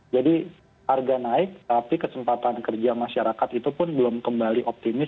jadi harga naik tapi kesempatan kerja masyarakat itu pun belum kembali optimis